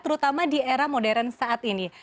terutama di era modern saat ini